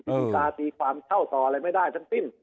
มีการตีความเข้าต่ออะไรไม่ได้ทั้งสิ้น